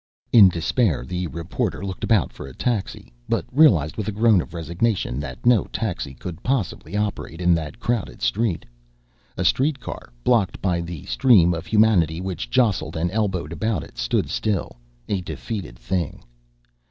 In despair the reporter looked about for a taxi, but realized, with a groan of resignation, that no taxi could possibly operate in that crowded street. A street car, blocked by the stream of humanity which jostled and elbowed about it, stood still, a defeated thing.